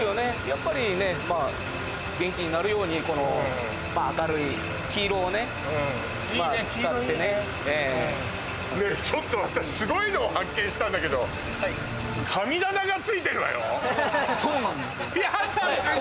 やっぱりね元気になるようにこの明るい黄色をねいいね黄色いいね使ってねええねえちょっと私すごいのを発見したんだけどそうなんですよ